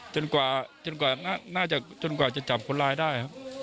จนกว่าน่าจะจับคนร้ายได้